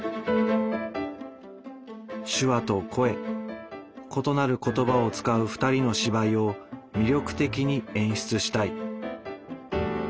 手話と声異なる言葉を使う２人の芝居を魅力的に演出したい。